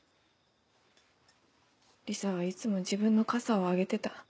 リサはいつも自分の傘をあげてた。